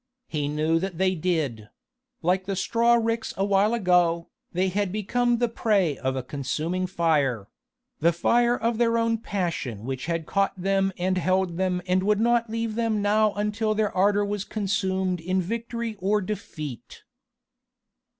He knew that they did: like the straw ricks a while ago, they had become the prey of a consuming fire: the fire of their own passion which had caught them and held them and would not leave them now until their ardour was consumed in victory or defeat.